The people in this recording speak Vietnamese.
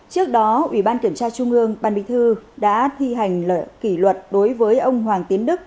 trước đó ủy ban kiểm tra trung ương ban bí thư đã thi hành kỷ luật đối với ông hoàng tiến đức